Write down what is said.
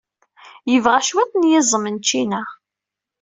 Yebɣa cwiṭ n yiẓem n ččina.